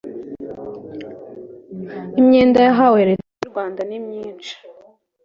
imyenda yahawe Leta y u Rwanda nimyinshi